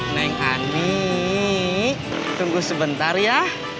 neng ani tunggu sebentar ya